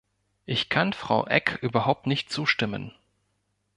Ich kann Frau Ek überhaupt nicht zustimmen.